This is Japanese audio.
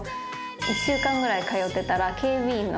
１週間ぐらい通ってたら警備員の方が。